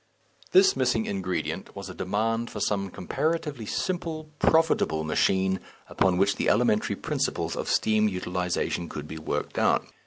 This missing ingredient was a demand for some comparatively simple, profitable machine, upon which the elementary principles of steam utilization could be worked out.